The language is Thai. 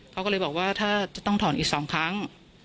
เขาก็เลยบอกว่าถ้าจะต้องถอนอีก๒ครั้ง